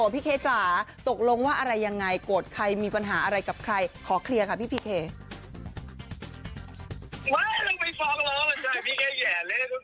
ว้าวลงไปฟ้องแล้วมีแค่แหงเลย